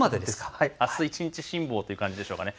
あす一日辛抱という感じでしょうかね。